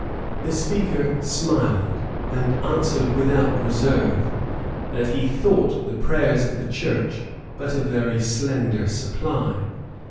The speaker smiled, and answered without reserve, that he thought the prayers of the church but a very slender supply.